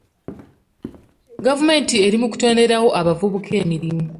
Gavumenti eri mu kutonderawo abavubuka emirimu.